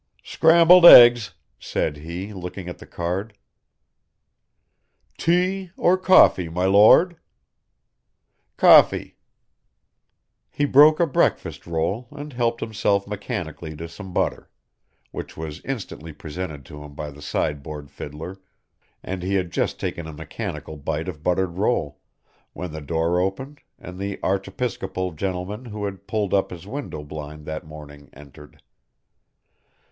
"Scrambled eggs," said he, looking at the card. "Tea or coffee, my Lord?" "Coffee." He broke a breakfast roll and helped himself mechanically to some butter, which was instantly presented to him by the sideboard fiddler, and he had just taken a mechanical bite of buttered roll, when the door opened and the Archiepiscopal gentleman who had pulled up his window blind that morning entered.